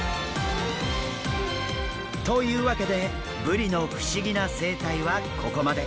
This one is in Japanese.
というわけでブリの不思議な生態はここまで。